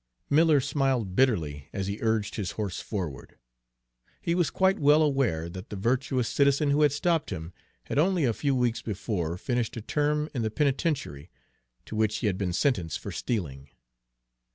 Miller smiled bitterly as he urged his horse forward. He was quite well aware that the virtuous citizen who had stopped him had only a few weeks before finished a term in the penitentiary, to which he had been sentenced for stealing.